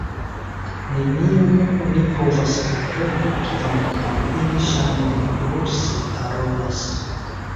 Nenion oni povas kompreni, kvankam ili ŝajne ruse parolas!